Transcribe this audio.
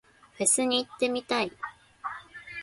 フェスに行ってみたい。